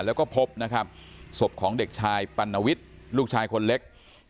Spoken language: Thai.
แล้วก็พบนะครับศพของเด็กชายปัณวิทย์ลูกชายคนเล็ก